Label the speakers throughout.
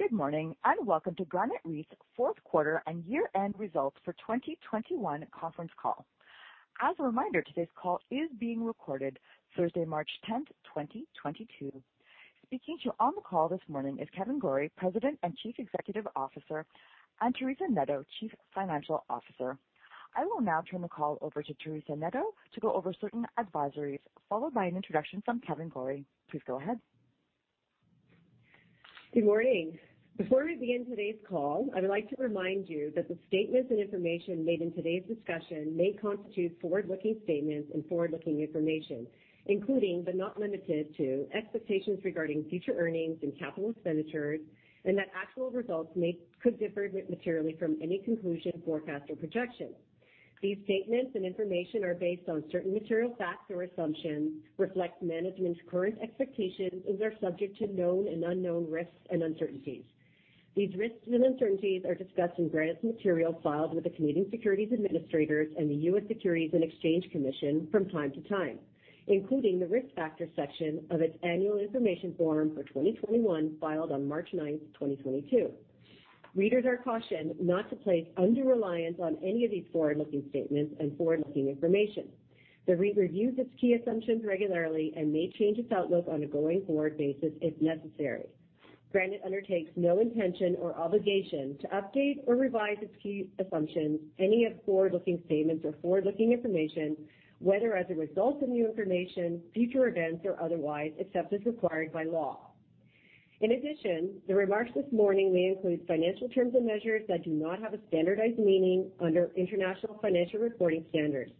Speaker 1: Good morning, and welcome to Granite REIT's fourth quarter and year-end results for 2021 conference call. As a reminder, today's call is being recorded Thursday, March 10, 2022. Speaking to you on the call this morning is Kevan Gorrie, President and Chief Executive Officer, and Teresa Neto, Chief Financial Officer. I will now turn the call over to Teresa Neto to go over certain advisories, followed by an introduction from Kevan Gorrie. Please go ahead.
Speaker 2: Good morning. Before we begin today's call, I would like to remind you that the statements, and information made in today's discussion may constitute forward-looking statements, and forward-looking information, including but not limited to expectations regarding future earnings and capital expenditures, and that actual results could differ materially from any conclusion, forecast, or projection. These statements and information are based on certain material facts or assumptions, reflect management's current expectations, and are subject to known and unknown risks and uncertainties. These risks and uncertainties are discussed in Granite's material filed with the Canadian Securities Administrators and the U.S. Securities and Exchange Commission from time to time, including the Risk Factors section of its Annual Information Form for 2021, filed on March 9, 2022. Readers are cautioned not to place undue reliance on any of these forward-looking statements and forward-looking information. The REIT reviews its key assumptions regularly and may change its outlook on a going-forward basis if necessary. Granite undertakes no intention or obligation to update or revise its key assumptions, any of forward-looking statements or forward-looking information, whether as a result of new information, future events or otherwise, except as required by law. In addition, the remarks this morning may include financial terms and measures that do not have a standardized meaning under International Financial Reporting Standards.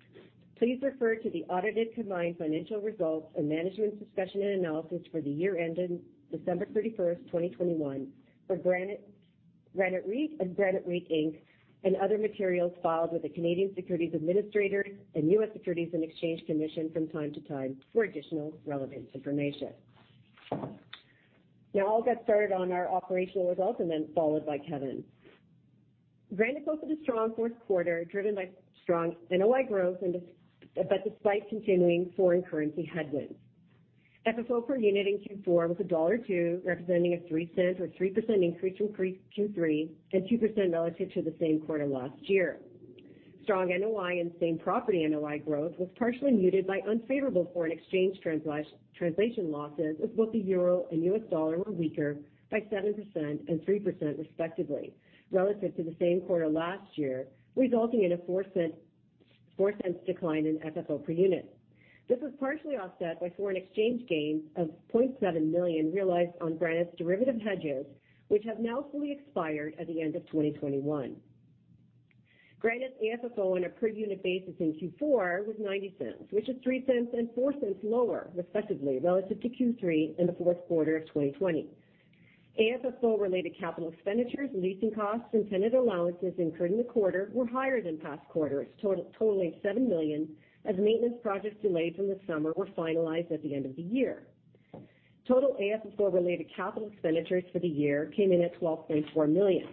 Speaker 2: Please refer to the audited combined financial results and Management's Discussion and Analysis for the year ended December 31, 2021 for Granite REIT, and Granite REIT Inc., and other materials filed with the Canadian Securities Administrators and U.S. Securities and Exchange Commission from time to time for additional relevant information. Now I'll get started on our operational results, and then followed by Kevan. Granite opened a strong fourth quarter, driven by strong NOI growth, but despite continuing foreign currency headwinds. FFO per unit in Q4 was 1.02 dollar, representing a 3-cent or 3% increase from Q3 and 2% relative to the same quarter last year. Strong NOI and same property NOI growth was partially muted by unfavorable foreign exchange translation losses, as both the Euro and U.S. dollar were weaker by 7% and 3%, respectively, relative to the same quarter last year, resulting in a 4-cent decline in FFO per unit. This was partially offset by foreign exchange gains of 0.7 million realized on Granite's derivative hedges, which have now fully expired at the end of 2021. Granite's AFFO on a per unit basis in Q4 was 0.90, which is 0.03 and 0.04 lower, respectively, relative to Q3 in the fourth quarter of 2020. AFFO-related capital expenditures, leasing costs, and tenant allowances incurred in the quarter were higher than past quarters, totaling 7 million as maintenance projects delayed from the summer were finalized at the end of the year. Total AFFO-related capital expenditures for the year came in at 12.4 million.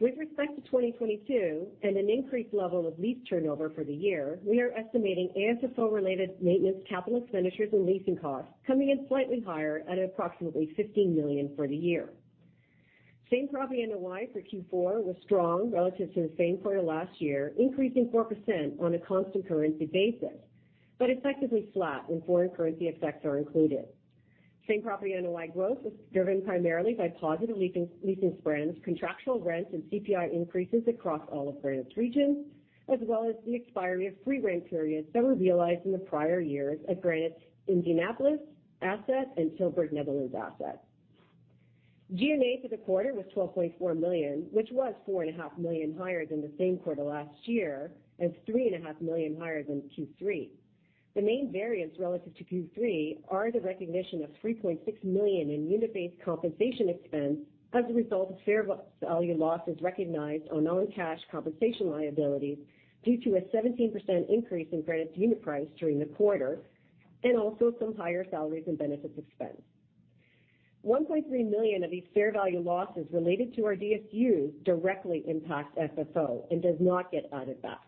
Speaker 2: With respect to 2022 and an increased level of lease turnover for the year, we are estimating AFFO-related maintenance capital expenditures and leasing costs coming in slightly higher at approximately 15 million for the year. Same property NOI for Q4 was strong relative to the same quarter last year, increasing 4% on a constant currency basis, but effectively flat when foreign currency effects are included. Same property NOI growth was driven primarily by positive leasing spreads, contractual rents, and CPI increases across all of Granite's regions, as well as the expiry of free rent periods that were realized in the prior years at Granite's Indianapolis asset and Tilburg, Netherlands asset. G&A for the quarter was 12.4 million, which was 4.5 million higher than the same quarter last year and 3.5 million higher than Q3. The main variance relative to Q3 are the recognition of 3.6 million in unit-based compensation expense as a result of fair value losses recognized on non-cash compensation liabilities due to a 17% increase in Granite's unit price during the quarter and also some higher salaries and benefits expense. $1.3 million of these fair value losses related to our DSUs directly impact FFO and does not get added back.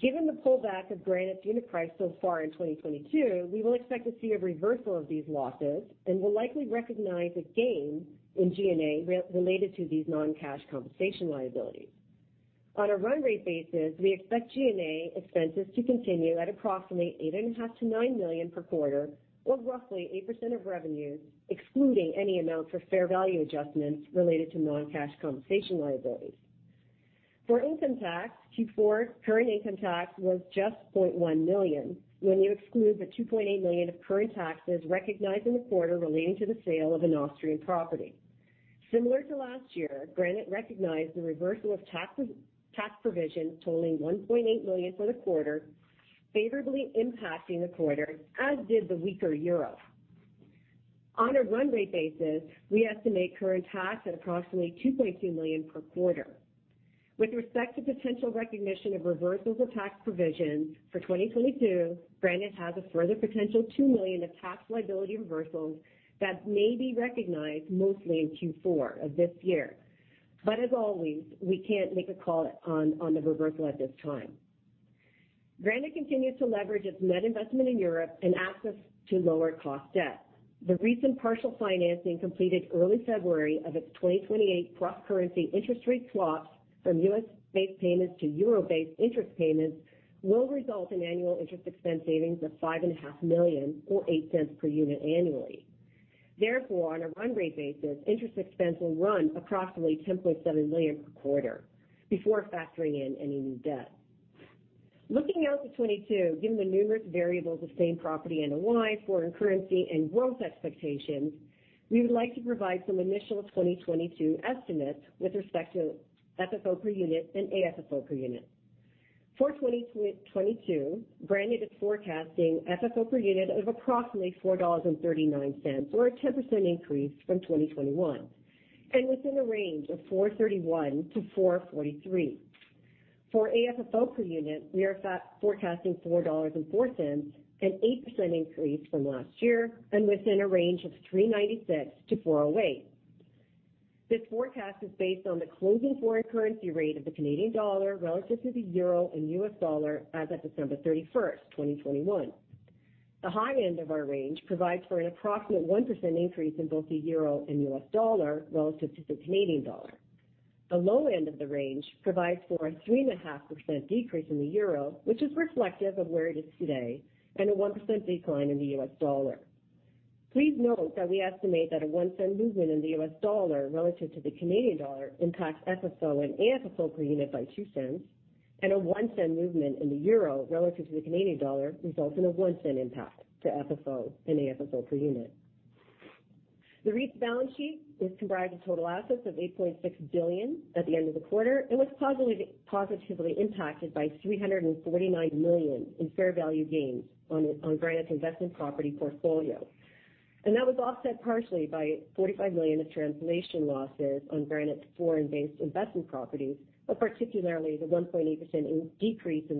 Speaker 2: Given the pullback of Granite's unit price so far in 2022, we will expect to see a reversal of these losses and will likely recognize a gain in G&A related to these non-cash compensation liabilities. On a run rate basis, we expect G&A expenses to continue at approximately $8.5 million-$9 million per quarter, or roughly 8% of revenues, excluding any amount for fair value adjustments related to non-cash compensation liabilities. For income tax, Q4 current income tax was just $0.1 million when you exclude the $2.8 million of current taxes recognized in the quarter relating to the sale of an Austrian property. Similar to last year, Granite recognized the reversal of tax provision totaling 1.8 million for the quarter, favorably impacting the quarter, as did the weaker euro. On a run rate basis, we estimate current tax at approximately 2.2 million per quarter. With respect to potential recognition of reversals of tax provision for 2022, Granite has a further potential 2 million of tax liability reversals that may be recognized mostly in Q4 of this year. As always, we can't make a call on the reversal at this time. Granite continues to leverage its net investment in Europe and access to lower cost debt. The recent partial financing completed early February of its 2028 cross-currency interest rate swaps from U.S.-based payments to euro-based interest payments will result in annual interest expense savings of 5.5 million or 8 cents per unit annually. Therefore, on a run rate basis, interest expense will run approximately 10.7 million per quarter before factoring in any new debt. Looking out to 2022, given the numerous variables of same property NOI, foreign currency, and growth expectations, we would like to provide some initial 2022 estimates with respect to FFO per unit and AFFO per unit. For 2022, Granite is forecasting FFO per unit of approximately 4.39 dollars, or a 10% increase from 2021, and within a range of 4.31-4.43. For AFFO per unit, we are forecasting 4.04 dollars, an 8% increase from last year, and within a range of 3.96-4.08. This forecast is based on the closing foreign currency rate of the Canadian dollar relative to the Euro and U.S. dollar as of December 31, 2021. The high end of our range provides for an approximate 1% increase in both the Euro and U.S. dollar relative to the Canadian dollar. The low end of the range provides for a 3.5% decrease in the euro, which is reflective of where it is today, and a 1% decline in the U.S. dollar. Please note that we estimate that a one cent movement in the U.S. dollar relative to the Canadian dollar impacts FFO and AFFO per unit by two cents, and a one cent movement in the Euro relative to the Canadian dollar results in a one cent impact to FFO and AFFO per unit. The REIT's balance sheet is comprised of total assets of 8.6 billion at the end of the quarter and was positively impacted by 349 million in fair value gains on Granite's investment property portfolio. That was offset partially by 45 million of translation losses on Granite's foreign-based investment properties, but particularly the 1.8% decrease in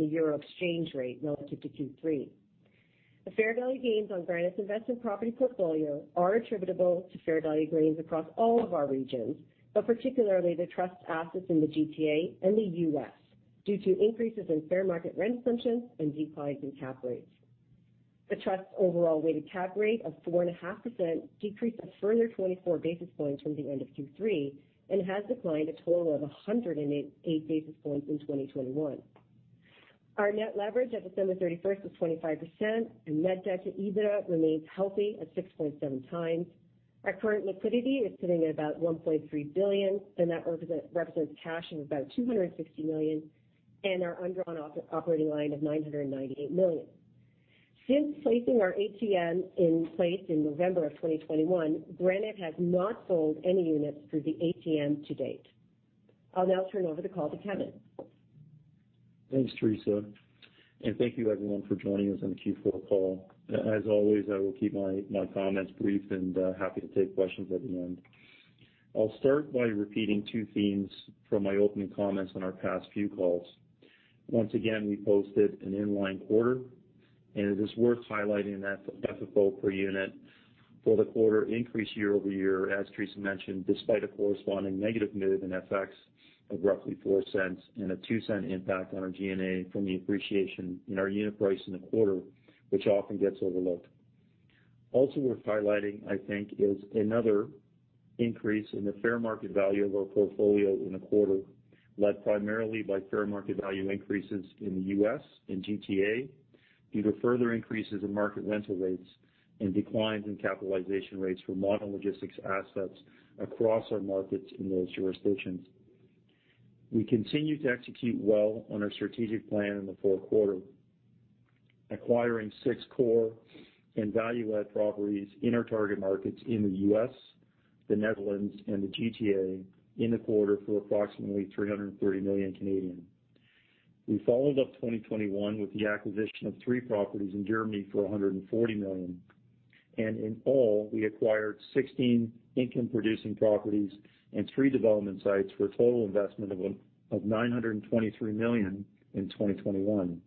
Speaker 2: the Euro exchange rate relative to Q3. The fair value gains on Granite's investment property portfolio are attributable to fair value gains across all of our regions, but particularly the trust assets in the GTA and the U.S. due to increases in fair market rent assumptions and declines in cap rates. The trust's overall weighted cap rate of 4.5% decreased a further 24 basis points from the end of Q3 and has declined a total of 108 basis points in 2021. Our net leverage at December 31 was 25%, and net debt to EBITDA remains healthy at 6.7 times. Our current liquidity is sitting at about 1.3 billion, and that represents cash of about 260 million and our undrawn operating line of 998 million. Since placing our ATM in place in November 2021, Granite has not sold any units through the ATM to date. I'll now turn over the call to Kevan.
Speaker 3: Thanks, Theresa, and thank you everyone for joining us on the Q4 call. As always, I will keep my comments brief and happy to take questions at the end. I'll start by repeating two themes from my opening comments on our past few calls. Once again, we posted an in-line quarter, and it is worth highlighting that FFO per unit for the quarter increased year-over-year, as Theresa mentioned, despite a corresponding negative move in FX of roughly 0.04 and a 0.02 impact on our G&A from the appreciation in our unit price in the quarter, which often gets overlooked. Also worth highlighting, I think, is another increase in the fair market value of our portfolio in the quarter, led primarily by fair market value increases in the U.S. and GTA due to further increases in market rental rates and declines in capitalization rates for modern logistics assets across our markets in those jurisdictions. We continue to execute well on our strategic plan in the fourth quarter, acquiring six core and value-add properties in our target markets in the U.S., the Netherlands, and the GTA in the quarter for approximately 330 million. We followed up 2021 with the acquisition of three properties in Germany for 140 million. In all, we acquired 16 income-producing properties and three development sites for a total investment of 923 million in 2021.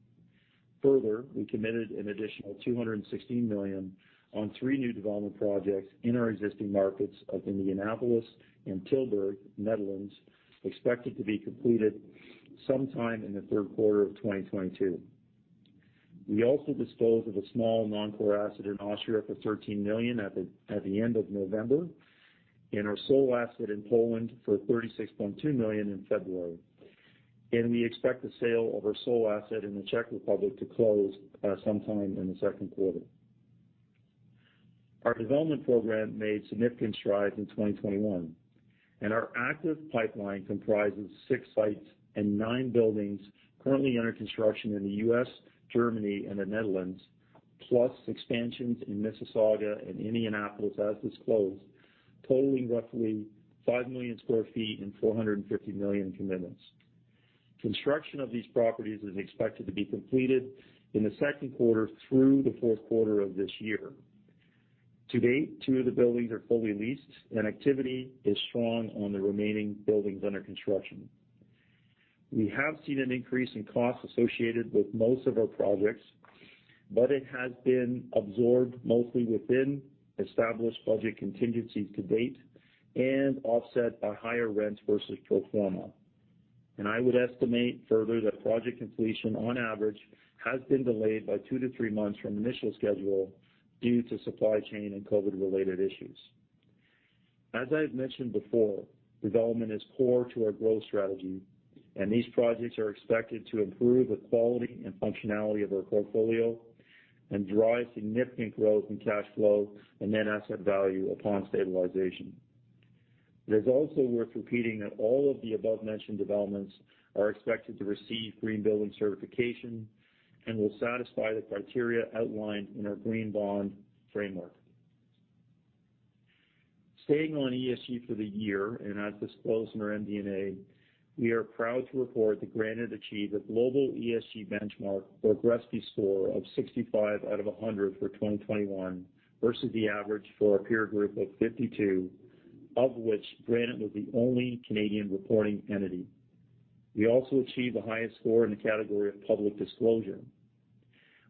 Speaker 3: Further, we committed an additional 216 million on three new development projects in our existing markets of Indianapolis and Tilburg, Netherlands, expected to be completed sometime in the third quarter of 2022. We also disposed of a small non-core asset in Austria for 13 million at the end of November, and our sole asset in Poland for 36.2 million in February. We expect the sale of our sole asset in the Czech Republic to close sometime in the second quarter. Our development program made significant strides in 2021, and our active pipeline comprises 6 sites and 9 buildings currently under construction in the U.S., Germany, and the Netherlands, plus expansions in Mississauga and Indianapolis, as disclosed, totaling roughly 5 million sq ft and 450 million commitments. Construction of these properties is expected to be completed in the second quarter through the fourth quarter of this year. To date, 2 of the buildings are fully leased and activity is strong on the remaining buildings under construction. We have seen an increase in costs associated with most of our projects. It has been absorbed mostly within established budget contingencies to date and offset by higher rents versus pro forma. I would estimate further that project completion on average has been delayed by 2-3 months from initial schedule due to supply chain and COVID-related issues. As I've mentioned before, development is core to our growth strategy, and these projects are expected to improve the quality and functionality of our portfolio and drive significant growth in cash flow and net asset value upon stabilization. It is also worth repeating that all of the above-mentioned developments are expected to receive green building certification and will satisfy the criteria outlined in our Green Bond Framework. Staying on ESG for the year, and as disclosed in our MD&A, we are proud to report that Granite achieved a global ESG benchmark or GRESB score of 65 out of 100 for 2021 versus the average for a peer group of 52, of which Granite was the only Canadian reporting entity. We also achieved the highest score in the category of public disclosure.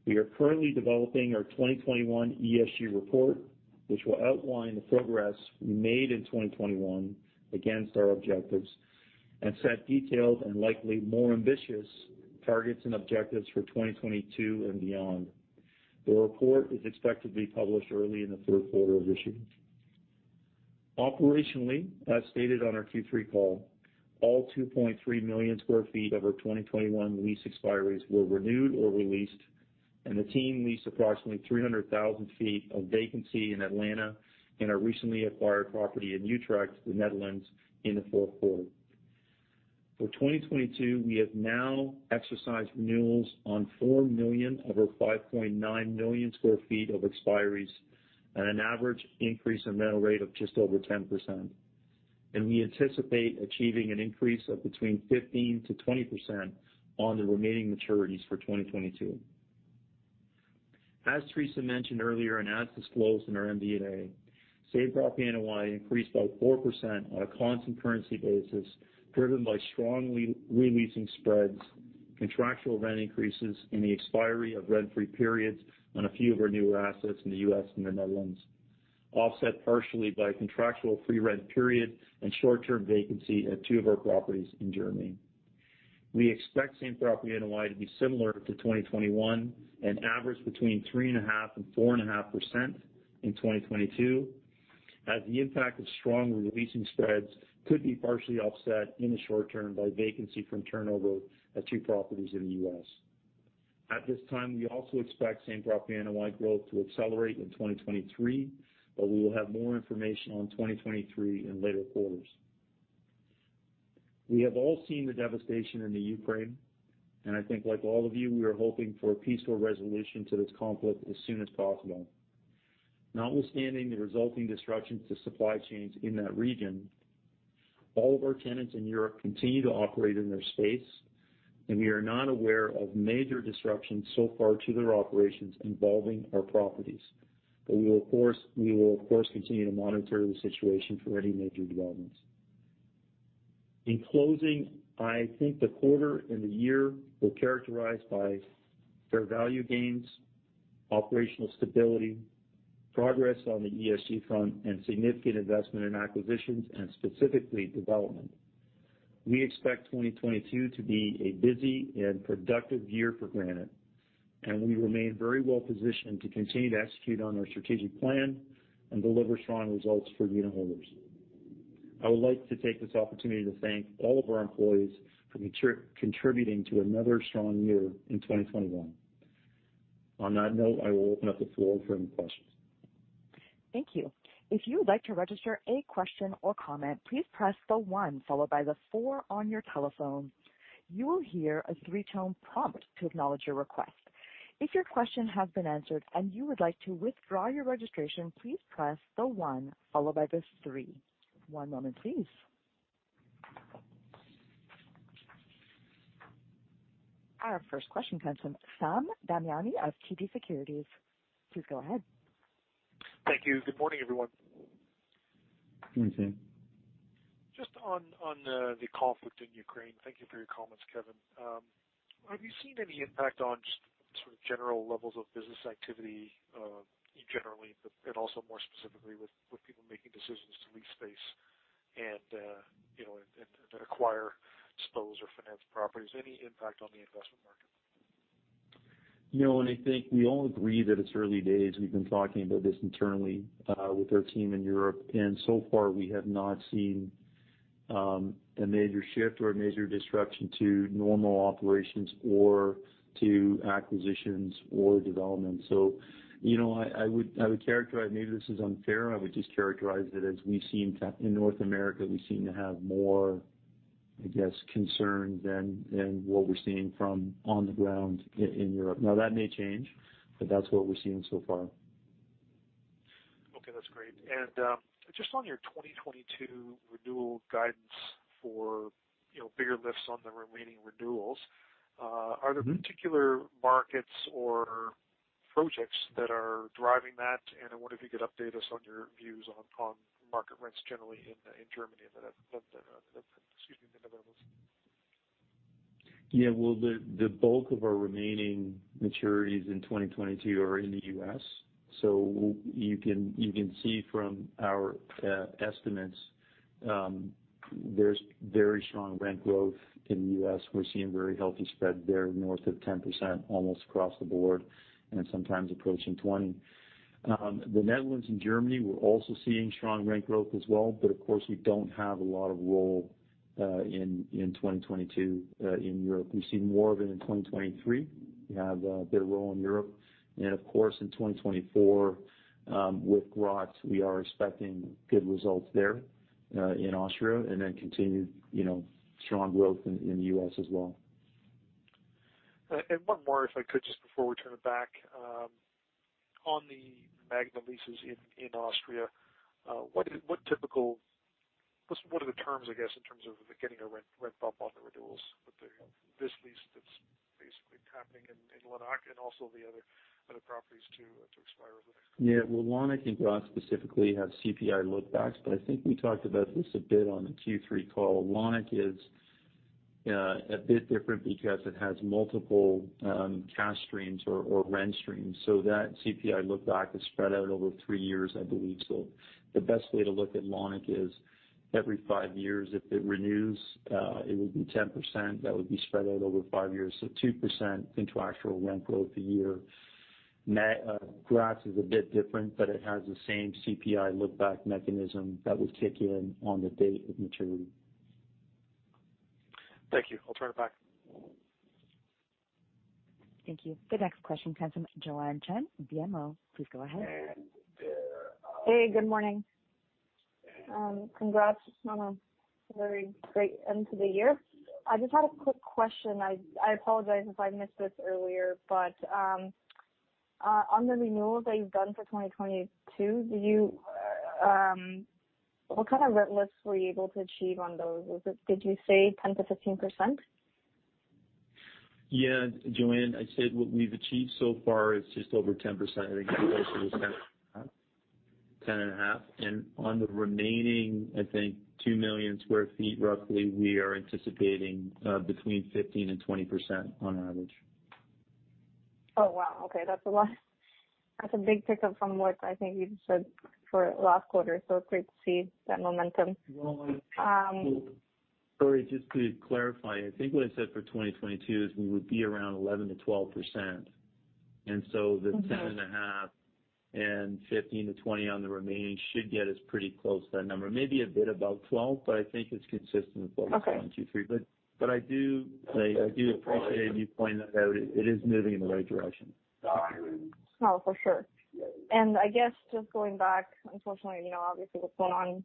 Speaker 3: We are currently developing our 2021 ESG report, which will outline the progress we made in 2021 against our objectives and set detailed and likely more ambitious targets and objectives for 2022 and beyond. The report is expected to be published early in the third quarter of this year. Operationally, as stated on our Q3 call, all 2.3 million sq ft of our 2021 lease expiries were renewed or re-leased, and the team leased approximately 300,000 sq ft of vacancy in Atlanta in our recently acquired property in Utrecht, the Netherlands, in the fourth quarter. For 2022, we have now exercised renewals on 4 million sq ft of our 5.9 million sq ft of expiries at an average increase in rental rate of just over 10%. We anticipate achieving an increase of between 15%-20% on the remaining maturities for 2022. As Theresa mentioned earlier, and as disclosed in our MD&A, same property NOI increased by 4% on a constant currency basis, driven by strong re-leasing spreads, contractual rent increases in the expiry of rent-free periods on a few of our newer assets in the U.S. and the Netherlands, offset partially by contractual free rent period and short-term vacancy at two of our properties in Germany. We expect same property NOI to be similar to 2021 and average between 3.5% and 4.5% in 2022, as the impact of strong re-leasing spreads could be partially offset in the short term by vacancy from turnover at two properties in the U.S. At this time, we also expect same property NOI growth to accelerate in 2023, but we will have more information on 2023 in later quarters. We have all seen the devastation in the Ukraine, and I think like all of you, we are hoping for a peaceful resolution to this conflict as soon as possible. Notwithstanding the resulting disruptions to supply chains in that region, all of our tenants in Europe continue to operate in their space, and we are not aware of major disruptions so far to their operations involving our properties. We will, of course, continue to monitor the situation for any major developments. In closing, I think the quarter and the year were characterized by fair value gains, operational stability, progress on the ESG front, and significant investment in acquisitions and specifically development. We expect 2022 to be a busy and productive year for Granite, and we remain very well positioned to continue to execute on our strategic plan and deliver strong results for unitholders. I would like to take this opportunity to thank all of our employees for contributing to another strong year in 2021. On that note, I will open up the floor for any questions.
Speaker 1: Our first question comes from Sam Damiani of TD Securities. Please go ahead.
Speaker 4: Thank you. Good morning, everyone.
Speaker 3: Good morning, Sam.
Speaker 4: Just on the conflict in Ukraine. Thank you for your comments, Kevan. Have you seen any impact on just sort of general levels of business activity, generally, but then also more specifically with people making decisions to lease space and you know and acquire, dispose, or finance properties, any impact on the investment market?
Speaker 3: You know, I think we all agree that it's early days. We've been talking about this internally with our team in Europe, and so far we have not seen a major shift or a major disruption to normal operations or to acquisitions or development. You know, I would characterize, maybe this is unfair, I would just characterize it as in North America, we seem to have more, I guess, concern than what we're seeing from on the ground in Europe. Now, that may change, but that's what we're seeing so far.
Speaker 4: Okay, that's great. Just on your 2022 renewal guidance for, you know, bigger lifts on the remaining renewals.
Speaker 3: Mm-hmm.
Speaker 4: Are there particular markets or projects that are driving that? I wonder if you could update us on your views on market rents generally in Germany and the Netherlands.
Speaker 3: Yeah. Well, the bulk of our remaining maturities in 2022 are in the U.S. You can see from our estimates, there's very strong rent growth in the U.S. We're seeing very healthy spread there, north of 10% almost across the board, and sometimes approaching 20%. The Netherlands and Germany, we're also seeing strong rent growth as well, but of course, we don't have a lot of roll in 2022 in Europe. We've seen more of it in 2023. We have a better roll in Europe. Of course, in 2024, with Graz, we are expecting good results there in Austria, and then continued, you know, strong growth in the U.S. as well.
Speaker 4: One more, if I could, just before we turn it back. On the Magna leases in Austria, what are the typical terms, I guess, in terms of getting a rent bump on the renewals with this lease that's basically happening in Lannach and also the other properties to expire over the next couple years?
Speaker 3: Yeah. Well, Lannach and Graz specifically have CPI look-backs, but I think we talked about this a bit on the Q3 call. Lannach is a bit different because it has multiple cash streams or rent streams. That CPI look-back is spread out over three years, I believe. The best way to look at Lannach is every five years, if it renews, it would be 10% that would be spread out over five years. Two percent contractual rent growth a year. Graz is a bit different, but it has the same CPI look-back mechanism that will kick in on the date of maturity.
Speaker 4: Thank you. I'll turn it back.
Speaker 1: Thank you. The next question comes from Joanne Chen with BMO. Please go ahead.
Speaker 5: Hey, good morning. Congrats on a very great end to the year. I just had a quick question. I apologize if I missed this earlier, but on the renewals that you've done for 2022, do you what kind of rent lifts were you able to achieve on those? Was it did you say 10%–15%?
Speaker 3: Yeah, Joanne, I said what we've achieved so far is just over 10%. I think I said it was 10.5%. On the remaining, I think 2 million sq ft, roughly, we are anticipating between 15% and 20% on average.
Speaker 5: Oh, wow. Okay. That's a lot. That's a big pickup from what I think you said for last quarter. Great to see that momentum.
Speaker 3: Sorry, just to clarify, I think what I said for 2022 is we would be around 11%-12%.
Speaker 5: Mm-hmm.
Speaker 3: 10.5% and 15%-20% on the remaining should get us pretty close to that number. Maybe a bit above 12%, but I think it's consistent with what we saw in Q3.
Speaker 5: Okay.
Speaker 3: I do say I do appreciate you pointing that out. It is moving in the right direction.
Speaker 5: Oh, for sure. I guess just going back, unfortunately, you know, obviously, what's going on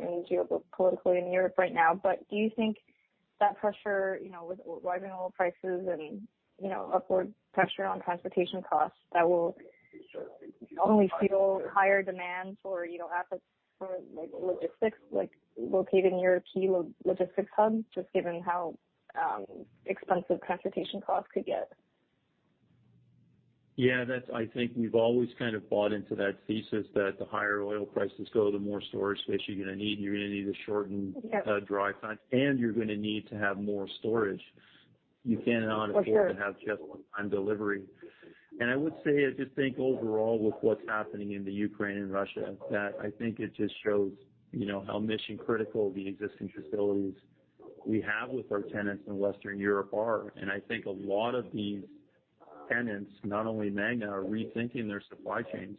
Speaker 5: in geopolitics in Europe right now. Do you think that pressure, you know, with rising oil prices and, you know, upward pressure on transportation costs, that will only fuel higher demand for, you know, assets for like logistics like located in your key logistics hub, just given how expensive transportation costs could get?
Speaker 3: Yeah, that's. I think we've always kind of bought into that thesis that the higher oil prices go, the more storage space you're going to need, and you're going to need to shorten.
Speaker 5: Yes.
Speaker 3: drive times, and you're going to need to have more storage. You cannot.
Speaker 5: For sure.
Speaker 3: afford to have just-in-time delivery. I would say, I just think overall with what's happening in the Ukraine and Russia, that I think it just shows, you know, how mission critical the existing facilities we have with our tenants in Western Europe are. I think a lot of these tenants, not only Magna, are rethinking their supply chains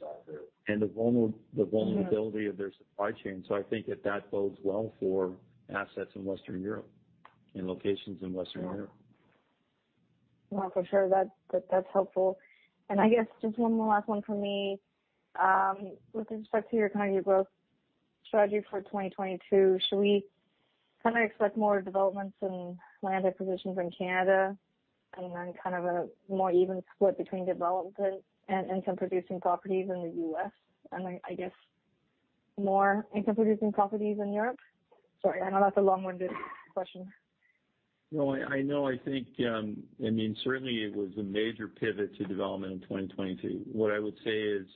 Speaker 3: and the vulnerability
Speaker 5: Yeah.
Speaker 3: of their supply chain. I think that bodes well for assets in Western Europe and locations in Western Europe.
Speaker 5: No, for sure. That's helpful. I guess just one more last one from me. With respect to your kind of growth strategy for 2022, should we kind of expect more developments in land acquisitions in Canada and then kind of a more even split between development and income producing properties in the U.S., and I guess more income producing properties in Europe? Sorry, I know that's a long-winded question.
Speaker 3: No, I know. I think, I mean, certainly it was a major pivot to development in 2022. What I would say is,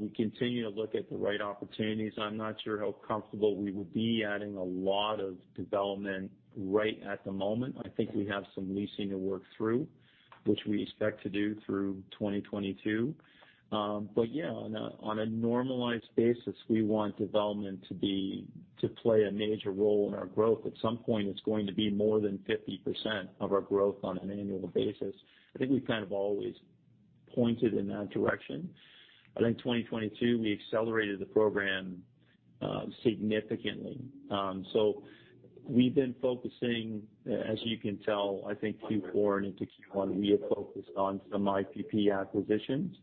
Speaker 3: we continue to look at the right opportunities. I'm not sure how comfortable we will be adding a lot of development right at the moment. I think we have some leasing to work through, which we expect to do through 2022. But yeah, on a normalized basis, we want development to play a major role in our growth. At some point, it's going to be more than 50% of our growth on an annual basis. I think we've kind of always pointed in that direction. I think 2022, we accelerated the program significantly. We've been focusing, as you can tell, I think Q4 and into Q1, we have focused on some IPP acquisitions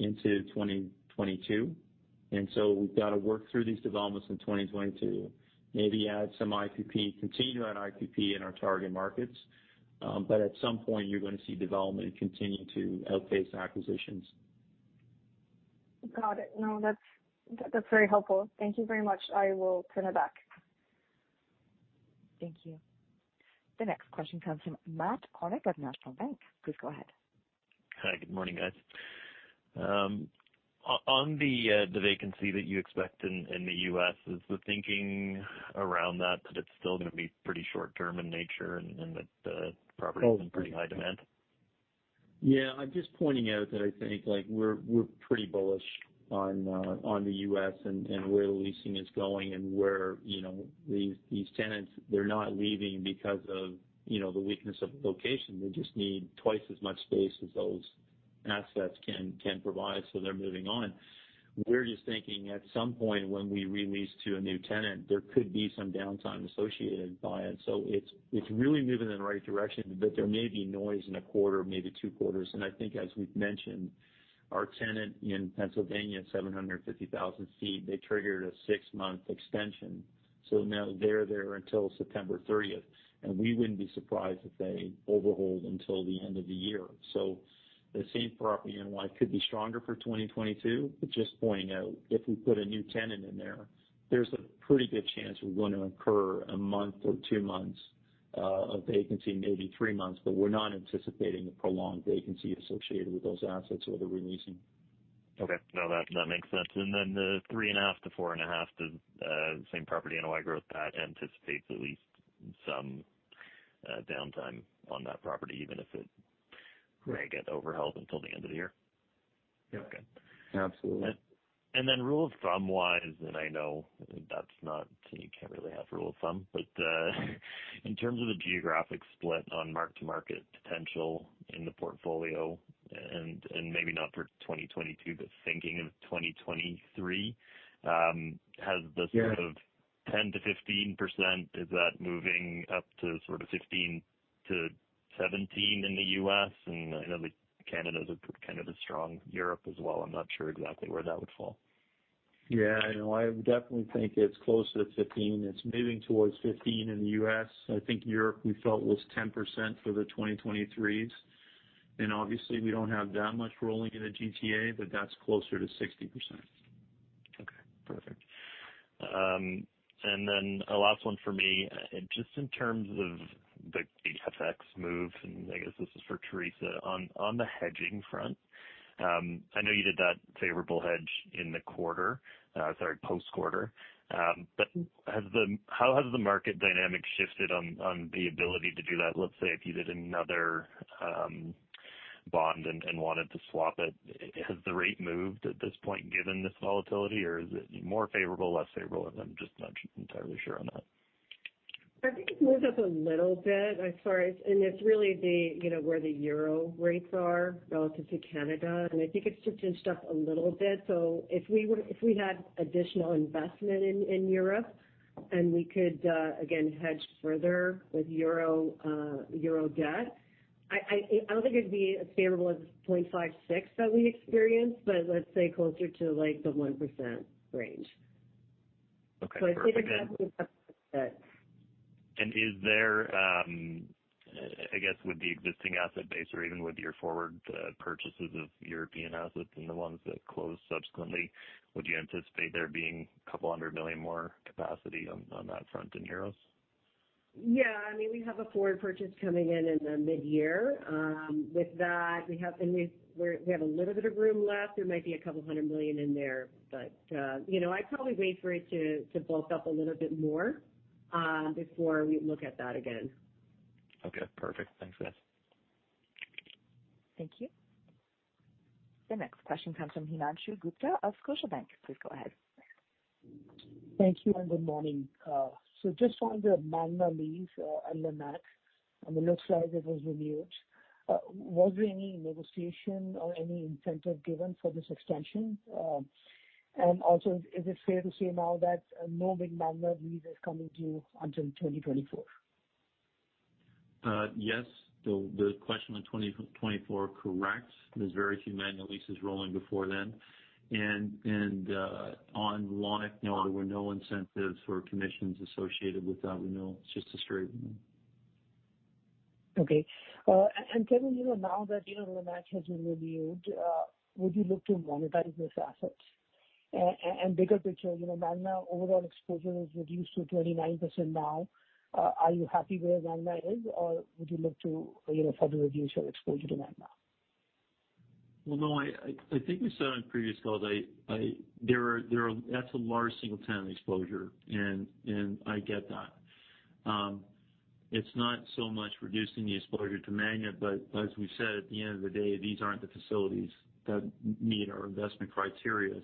Speaker 3: into 2022. We've got to work through these developments in 2022, maybe add some IPP, continue to add IPP in our target markets. At some point you're going to see development continue to outpace acquisitions.
Speaker 5: Got it. No, that's very helpful. Thank you very much. I will turn it back.
Speaker 1: Thank you. The next question comes from Matt Kornack with National Bank. Please go ahead.
Speaker 6: Hi. Good morning, guys. On the vacancy that you expect in the U.S., is the thinking around that it's still going to be pretty short term in nature and that the property's in pretty high demand?
Speaker 3: Yeah. I'm just pointing out that I think like we're pretty bullish on the U.S. and where the leasing is going and where, you know, these tenants, they're not leaving because of, you know, the weakness of the location. They just need twice as much space as those assets can provide, so they're moving on. We're just thinking at some point when we re-lease to a new tenant, there could be some downtime associated by it. So it's really moving in the right direction. There may be noise in a quarter, maybe two quarters. I think as we've mentioned, our tenant in Pennsylvania, 750,000 sq ft, they triggered a six-month extension. So now they're there until September thirtieth, and we wouldn't be surprised if they overhold until the end of the year. The same-property NOI could be stronger for 2022. Just pointing out, if we put a new tenant in there's a pretty good chance we're going to incur a month or two months of vacancy, maybe three months. We're not anticipating a prolonged vacancy associated with those assets or the re-leasing.
Speaker 6: Okay. No, that makes sense. Then the 3.5%–4.5% same property NOI growth that anticipates at least some downtime on that property, even if it.
Speaker 3: Right.
Speaker 6: May get overheld until the end of the year.
Speaker 3: Yeah.
Speaker 6: Okay.
Speaker 3: Absolutely.
Speaker 6: Rule of thumb-wise, I know you can't really have rule of thumb. In terms of the geographic split on mark-to-market potential in the portfolio, and maybe not for 2022, but thinking of 2023, has the sort of-
Speaker 3: Yeah.
Speaker 6: 10%-15%, is that moving up to sort of 15%-17% in the U.S.? I know Canada's kind of strong. Europe as well. I'm not sure exactly where that would fall.
Speaker 3: Yeah, no, I definitely think it's closer to 15. It's moving towards 15 in the U.S. I think Europe we felt was 10% for the 2023million more capacity on that front in euros?. Obviously, we don't have that much rolling in the GTA, but that's closer to 60%.
Speaker 6: Okay, perfect. And then a last one for me. Just in terms of the FX move, and I guess this is for Theresa. On the hedging front, I know you did that favorable hedge in the quarter, sorry, post-quarter. But how has the market dynamic shifted on the ability to do that? Let's say if you did another bond and wanted to swap it, has the rate moved at this point given this volatility, or is it more favorable, less favorable? I'm just not entirely sure on that.
Speaker 2: I think it moved up a little bit as far as it's really, you know, where the Euro rates are relative to Canada, and I think it's just inched up a little bit. If we had additional investment in Europe and we could again hedge further with Euro debt, I don't think it'd be as favorable as 0.56% that we experienced, but let's say closer to like the 1% range.
Speaker 6: Okay, perfect.
Speaker 2: I think it
Speaker 6: Is there, I guess, with the existing asset base or even with your forward purchases of European assets and the ones that close subsequently, would you anticipate there being 200 million more capacity on that front in Euros?
Speaker 2: Yeah. I mean, we have a forward purchase coming in the mid-year. With that we have a little bit of room left. There might be 200 million in there. You know, I'd probably wait for it to bulk up a little bit more before we look at that again.
Speaker 6: Okay, perfect. Thanks, guys.
Speaker 1: Thank you. The next question comes from Himanshu Gupta of Scotiabank. Please go ahead.
Speaker 7: Thank you, and good morning. Just on the Magna lease on Lannach. It looks like it was renewed. Was there any negotiation or any incentive given for this extension? Is it fair to say now that no big Magna lease is coming due until 2024?
Speaker 3: Yes. The question on 2024, correct. There's very few Magna leases rolling before then. On Lannach, no, there were no incentives or commissions associated with that renewal. It's just a straight renewal.
Speaker 7: Okay, Kevan, you know, now that, you know, Lannach has been renewed, would you look to monetize those assets? Bigger picture, you know, Magna overall exposure is reduced to 29% now. Are you happy where Magna is, or would you look to, you know, further reduce your exposure to Magna?
Speaker 3: Well, no, I think we said on previous calls, there are that's a large single tenant exposure, and I get that. It's not so much reducing the exposure to Magna, but as we've said, at the end of the day, these aren't the facilities that meet our investment criteria.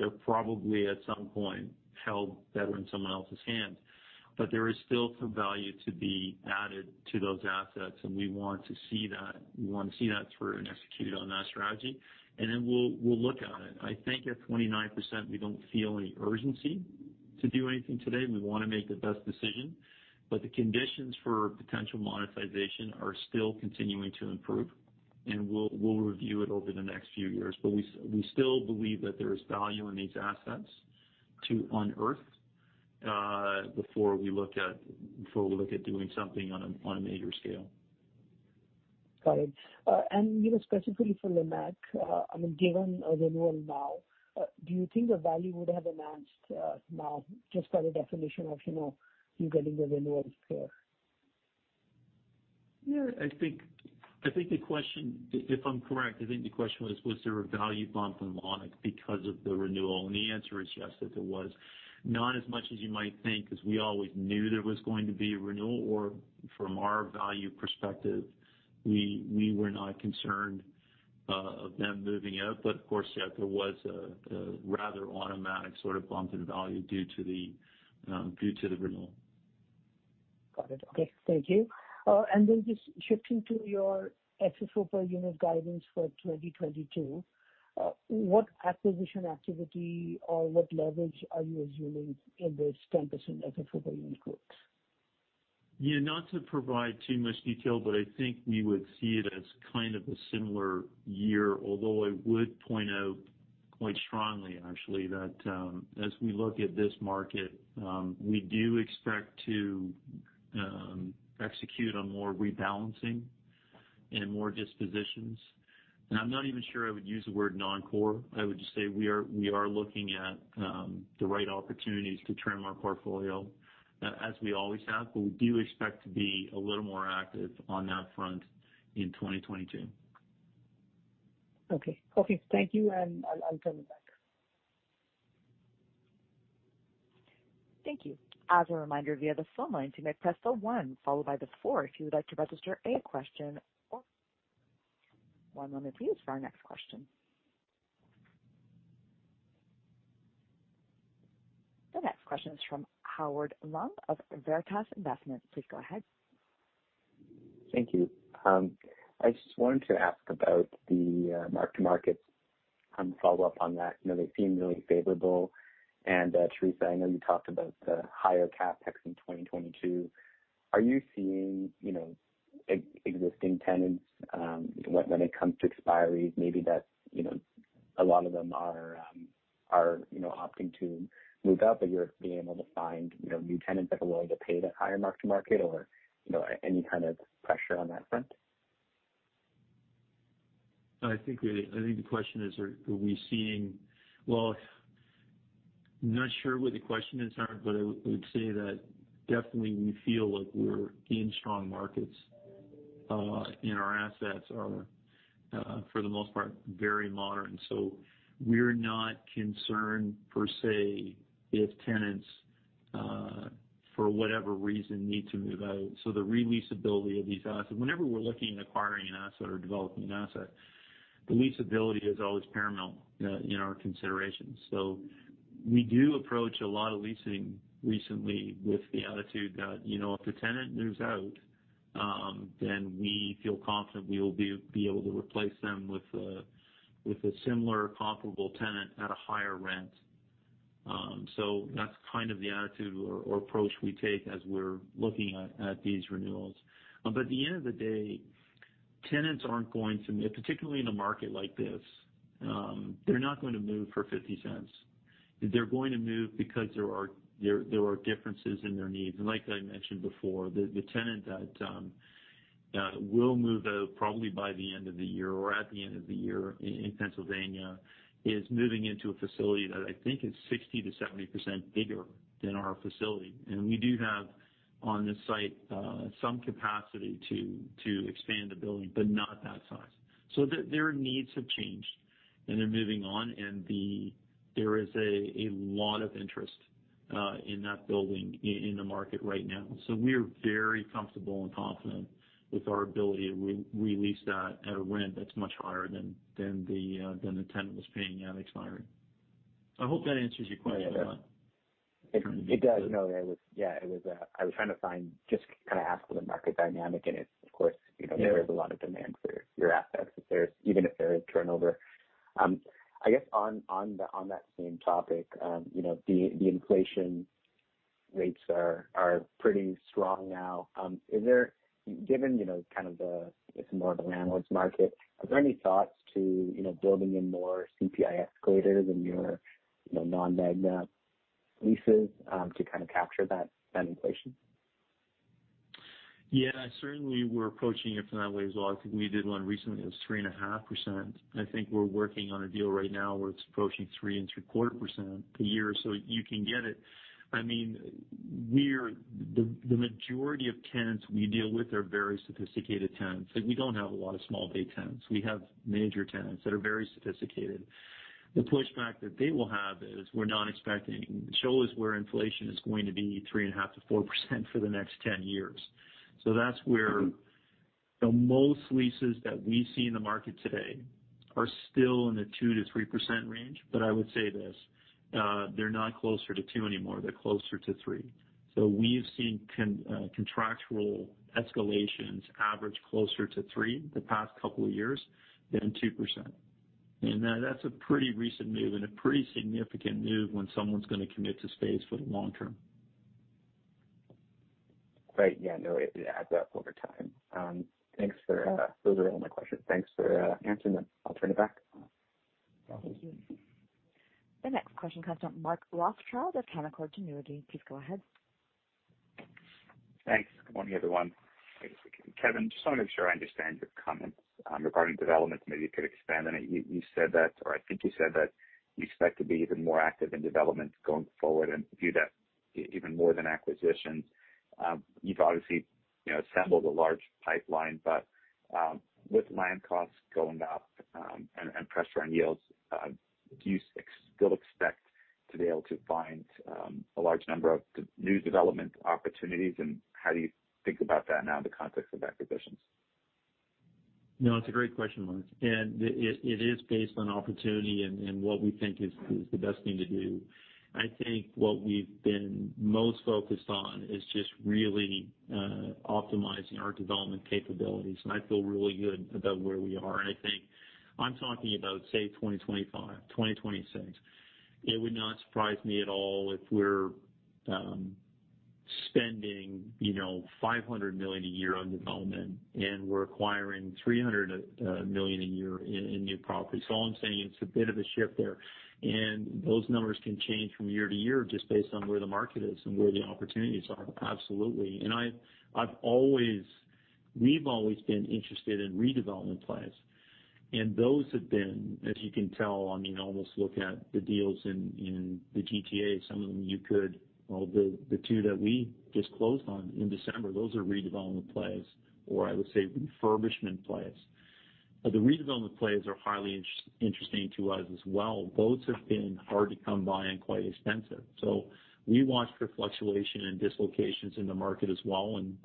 Speaker 3: They'll probably at some point held better in someone else's hand. There is still some value to be added to those assets, and we want to see that. We want to see that through and execute on that strategy. We'll look at it. I think at 29%, we don't feel any urgency to do anything today. We want to make the best decision. The conditions for potential monetization are still continuing to improve, and we'll review it over the next few years. We still believe that there is value in these assets to unearth before we look at doing something on a major scale.
Speaker 7: Got it. You know, specifically for Lannach, I mean, given a renewal now, do you think the value would have enhanced, now just by the definition of, you know, you getting the renewal here?
Speaker 3: Yeah, I think the question, if I'm correct, I think the question was there a value bump in because of the renewal? The answer is yes, that there was. Not as much as you might think, because we always knew there was going to be a renewal, or from our value perspective, we were not concerned of them moving out. Of course, yeah, there was a rather automatic sort of bump in value due to the renewal.
Speaker 7: Got it. Okay. Thank you. Just shifting to your FFO per unit guidance for 2022, what acquisition activity or what leverage are you assuming in this 10% FFO per unit growth?
Speaker 3: Yeah, not to provide too much detail, but I think we would see it as kind of a similar year, although I would point out quite strongly actually that, as we look at this market, we do expect to execute on more rebalancing and more dispositions. I'm not even sure I would use the word non-core. I would just say we are looking at the right opportunities to trim our portfolio as we always have, but we do expect to be a little more active on that front in 2022.
Speaker 7: Okay. Thank you, and I'll turn it back.
Speaker 1: Thank you. One moment please for our next question. The next question is from Howard Leung of Veritas Investment. Please go ahead.
Speaker 8: Thank you. I just wanted to ask about the mark-to-markets and follow up on that. You know, they seem really favorable. Teresa, I know you talked about the higher CapEx in 2022. Are you seeing, you know, existing tenants, when it comes to expiries, maybe that, you know, a lot of them are, you know, opting to move out, but you're being able to find, you know, new tenants that are willing to pay the higher mark-to-market or, you know, any kind of pressure on that front?
Speaker 3: I think the question is. Well, not sure what the question is, Howard, but I would say that definitely we feel like we're in strong markets, and our assets are, for the most part, very modern. We're not concerned per se if tenants, for whatever reason need to move out. The releasability of these assets, whenever we're looking at acquiring an asset or developing an asset, the leasability is always paramount in our considerations. We do approach a lot of leasing recently with the attitude that, you know, if the tenant moves out, then we feel confident we will be able to replace them with a similar comparable tenant at a higher rent. That's kind of the attitude or approach we take as we're looking at these renewals. At the end of the day, tenants aren't going to—particularly in a market like this, they're not going to move for $0.50. They're going to move because there are differences in their needs. Like I mentioned before, the tenant that will move out probably by the end of the year or at the end of the year in Pennsylvania is moving into a facility that I think is 60%-70% bigger than our facility. We do have on this site some capacity to expand the building, but not that size. Their needs have changed and they're moving on. There is a lot of interest in that building in the market right now. We're very comfortable and confident with our ability to re-lease that at a rent that's much higher than the tenant was paying at expiry. I hope that answers your question, Howard.
Speaker 8: It does. Yeah, it was. I was trying to find, just kind of ask for the market dynamic, and it's of course, you know-
Speaker 3: Yeah.
Speaker 8: There is a lot of demand for your assets even if there is turnover. I guess on that same topic, you know, the inflation rates are pretty strong now. Given you know kind of it's more of a landlord's market, are there any thoughts to, you know, building in more CPI escalators in your, you know, non-Magna leases to kind of capture that inflation?
Speaker 3: Yeah, certainly we're approaching it from that way as well. I think we did one recently that was 3.5%. I think we're working on a deal right now where it's approaching 3.75% a year. So you can get it. I mean, the majority of tenants we deal with are very sophisticated tenants. Like, we don't have a lot of small bay tenants. We have major tenants that are very sophisticated. The pushback that they will have is we're not expecting. The issue is where inflation is going to be 3.5%-4% for the next 10 years. So that's where the most leases that we see in the market today are still in the 2%-3% range. I would say this, they're not closer to two anymore, they're closer to three. We've seen contractual escalations average closer to 3% the past couple of years than 2%. That's a pretty recent move and a pretty significant move when someone's going to commit to space for the long term.
Speaker 8: Right. Yeah, no, it adds up over time. Those are all my questions. Thanks for answering them. I'll turn it back.
Speaker 1: Thank you. The next question comes from Mark Rothschild of Canaccord Genuity. Please go ahead.
Speaker 9: Thanks. Good morning, everyone. Kevan, just want to make sure I understand your comments regarding developments. Maybe you could expand on it. You said that, or I think you said that you expect to be even more active in development going forward and view that even more than acquisitions. You've obviously, you know, assembled a large pipeline, but with land costs going up and pressure on yields, do you still expect to be able to find a large number of new development opportunities? And how do you think about that now in the context of acquisitions?
Speaker 3: No, it's a great question, Mark. It is based on opportunity and what we think is the best thing to do. I think what we've been most focused on is just really optimizing our development capabilities, and I feel really good about where we are. I think I'm talking about, say, 2025, 2026. It would not surprise me at all if we're spending, you know, 500 million a year on development and we're acquiring 300 million a year in new property. All I'm saying is it's a bit of a shift there, and those numbers can change from year to year just based on where the market is and where the opportunities are. Absolutely. I've always, we've always been interested in redevelopment plays. Those have been, as you can tell, I mean, almost look at the deals in the GTA. Some of them you could. Well, the two that we just closed on in December, those are redevelopment plays, or I would say refurbishment plays. The redevelopment plays are highly interesting to us as well. Both have been hard to come by and quite expensive. We watch for fluctuation and dislocations in the market as well, and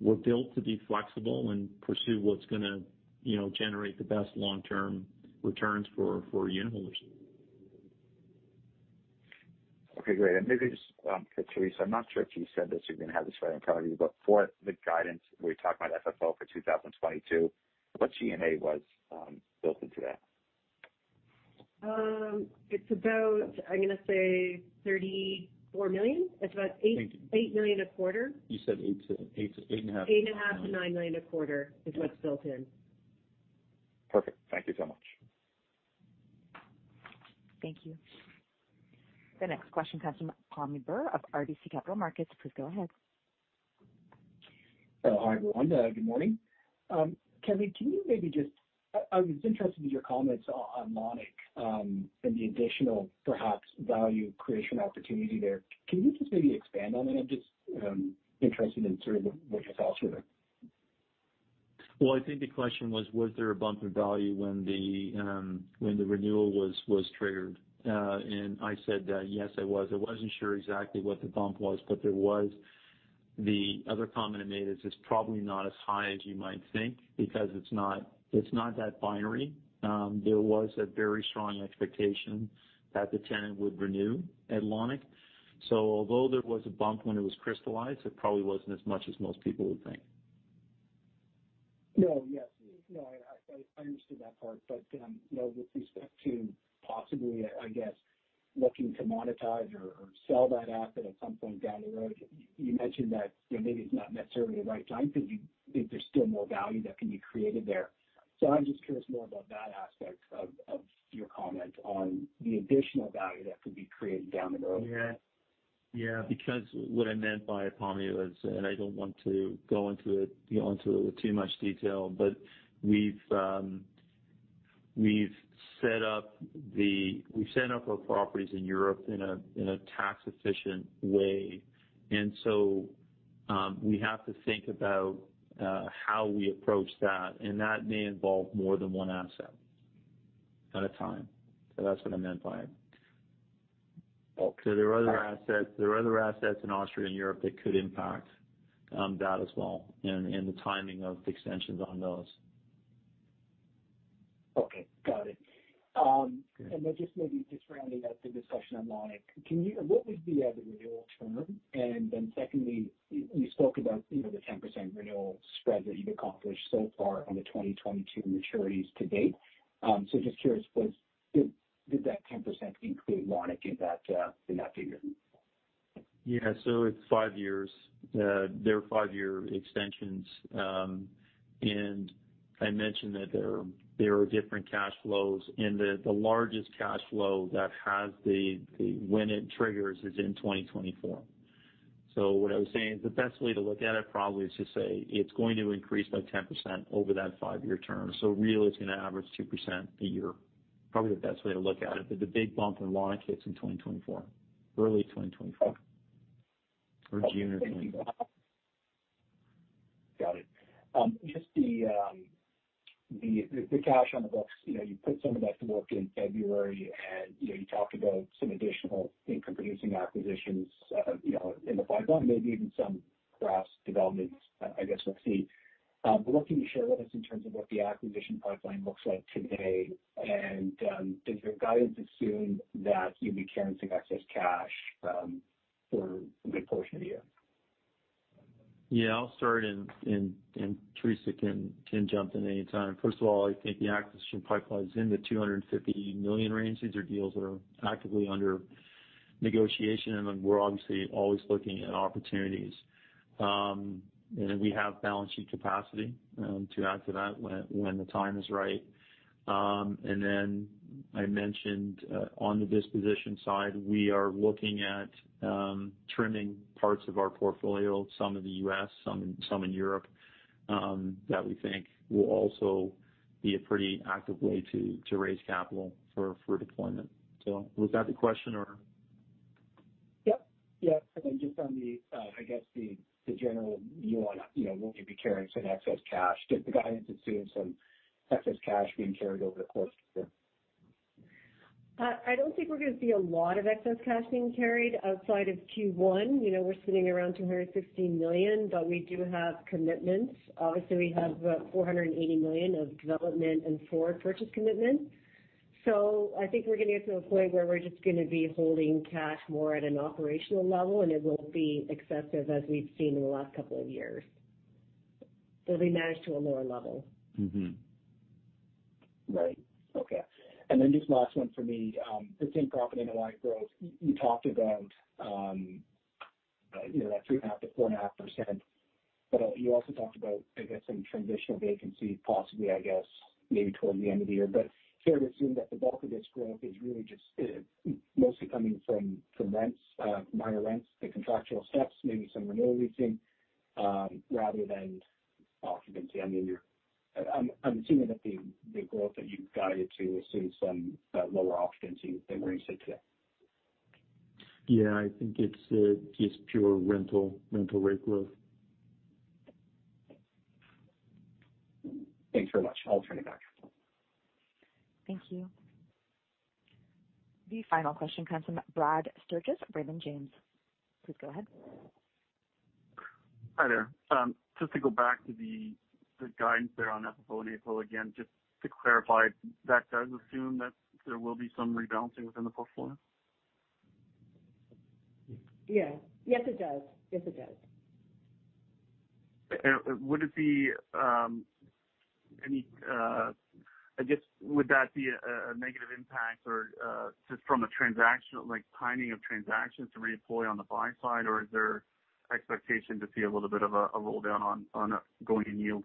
Speaker 3: we're built to be flexible and pursue what's going to, you know, generate the best long-term returns for unitholders.
Speaker 9: Okay, great. Maybe just for Theresa, I'm not sure if you said this. You can have this one. I apologize. For the guidance, we talked about FFO for 2022. What G&A was built into that?
Speaker 2: It's about, I'm going to say 34 million. It's about eight-
Speaker 3: Eight.
Speaker 2: 8 million a quarter.
Speaker 3: You said 8 to 8.5.
Speaker 2: 8.5-9 million a quarter is what's built in.
Speaker 9: Perfect. Thank you so much.
Speaker 1: Thank you. The next question comes from Pammi Bir of RBC Capital Markets. Please go ahead.
Speaker 10: Oh, hi, Rhonda. Good morning. Kevan, I was interested in your comments on Lannach and the additional perhaps value creation opportunity there. Can you just maybe expand on it? I'm just interested in sort of what you saw there.
Speaker 3: Well, I think the question was there a bump in value when the renewal was triggered? I said that yes, there was. I wasn't sure exactly what the bump was, but there was. The other comment I made is it's probably not as high as you might think because it's not that binary. There was a very strong expectation that the tenant would renew at Lannach. Although there was a bump when it was crystallized, it probably wasn't as much as most people would think.
Speaker 10: No, yes. No, I understood that part. You know, with respect to possibly, I guess, looking to monetize or sell that asset at some point down the road, you mentioned that, you know, maybe it's not necessarily the right time because you think there's still more value that can be created there. I'm just curious more about that aspect of your comment on the additional value that could be created down the road.
Speaker 3: Yeah. Yeah. Because what I meant by it, Pammy, was, I don't want to go into it, you know, into too much detail, but we've set up our properties in Europe in a tax-efficient way. We have to think about how we approach that, and that may involve more than one asset at a time. That's what I meant by it.
Speaker 10: Okay.
Speaker 3: There are other assets in Austria and Europe that could impact that as well and the timing of extensions on those.
Speaker 10: Okay. Got it. Just maybe rounding up the discussion on Lannach. What was the other renewal term? Secondly, you spoke about, you know, the 10% renewal spread that you've accomplished so far on the 2022 maturities to date. Just curious, did that 10% include Lannach in that figure?
Speaker 3: Yeah. It's 5 years. They're 5-year extensions. I mentioned that there are different cash flows, and the largest cash flow when it triggers is in 2024. What I was saying is the best way to look at it probably is to say it's going to increase by 10% over that 5-year term. Really, it's going to average 2% a year. Probably the best way to look at it. The big bump in Lannach hits in 2024, early 2024. Or June 2024.
Speaker 10: Got it. Just the cash on the books, you know, you put some of that to work in February and, you know, you talked about some additional income-producing acquisitions, you know, in the pipeline, maybe even some perhaps developments. I guess we'll see. But what can you share with us in terms of what the acquisition pipeline looks like today? And does your guidance assume that you'll be carrying excess cash for a good portion of the year?
Speaker 3: Yeah. I'll start and Theresa can jump in any time. First of all, I think the acquisition pipeline is in the 250 million range. These are deals that are actively under negotiation, and then we're obviously always looking at opportunities. We have balance sheet capacity to add to that when the time is right. I mentioned on the disposition side, we are looking at trimming parts of our portfolio, some in the U.S., some in Europe, that we think will also be a pretty active way to raise capital for deployment. So was that the question or?
Speaker 10: Yep. Yeah. I think just on the, I guess the general view on, you know, will you be carrying some excess cash? Just the guidance is seeing some excess cash being carried over the course of the...
Speaker 2: I don't think we're going to see a lot of excess cash being carried outside of Q1. You know, we're sitting around 260 million, but we do have commitments. Obviously, we have 480 million of development and forward purchase commitments. I think we're going to get to a point where we're just going to be holding cash more at an operational level, and it won't be excessive as we've seen in the last couple of years. It'll be managed to a lower level.
Speaker 10: Right. Okay. Then just last one from me. The same property NOI growth you talked about, you know, that 3.5%–4.5%. You also talked about, I guess, some transitional vacancy possibly, I guess, maybe toward the end of the year. Fair to assume that the bulk of this growth is really just mostly coming from rents, minor rents to contractual steps, maybe some renewal leasing, rather than occupancy. I mean, I'm assuming that the growth that you've guided to assumes some lower occupancy than where you sit today.
Speaker 3: Yeah. I think it's just pure rental rate growth.
Speaker 10: Thanks very much. I'll turn it back.
Speaker 1: Thank you. The final question comes from Brad Sturges, Raymond James. Please go ahead.
Speaker 11: Hi there. Just to go back to the guidance there on FFO and AFFO again, just to clarify, that does assume that there will be some rebalancing within the portfolio?
Speaker 2: Yeah. Yes, it does. Yes, it does.
Speaker 11: Would that be a negative impact or just from a transactional, like timing of transactions to redeploy on the buy side? Or is there expectation to see a little bit of a roll down on ongoing yield?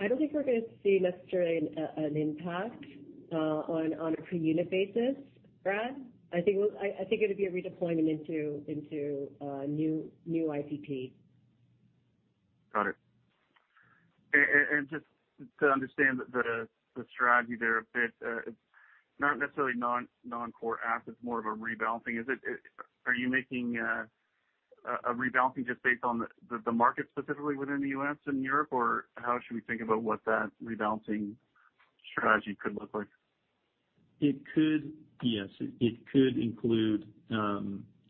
Speaker 2: I don't think we're going to see necessarily an impact on a per unit basis, Brad. I think it'll be a redeployment into new IPP.
Speaker 11: Got it. Just to understand the strategy there a bit, it's not necessarily non-core assets, more of a rebalancing. Are you making a rebalancing just based on the market specifically within the U.S. and Europe? Or how should we think about what that rebalancing strategy could look like?
Speaker 3: Yes, it could include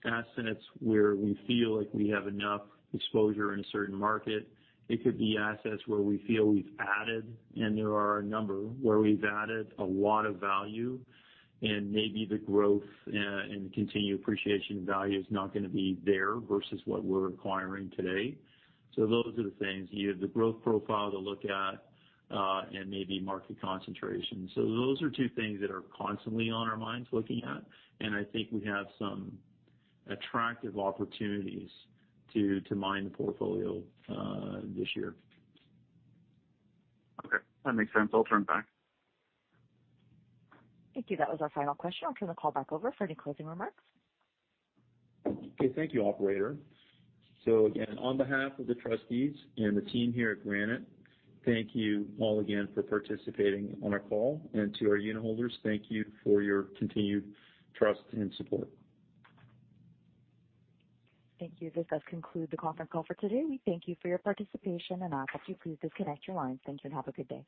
Speaker 3: assets where we feel like we have enough exposure in a certain market. It could be assets where we feel we've added a lot of value and maybe the growth and the continued appreciation value is not going to be there versus what we're acquiring today. Those are the things. You have the growth profile to look at and maybe market concentration. Those are two things that are constantly on our minds looking at, and I think we have some attractive opportunities to mine the portfolio this year.
Speaker 11: Okay, that makes sense. I'll turn it back.
Speaker 1: Thank you. That was our final question. I'll turn the call back over for any closing remarks.
Speaker 3: Okay, thank you, operator. Again, on behalf of the trustees and the team here at Granite, thank you all again for participating on our call. To our unitholders, thank you for your continued trust and support.
Speaker 1: Thank you. This does conclude the conference call for today. We thank you for your participation and ask that you please disconnect your lines. Thank you, and have a good day.